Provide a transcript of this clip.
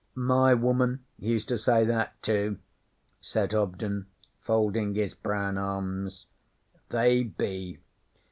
'My woman used to say that too,' said Hobden, folding his brown arms. 'They be.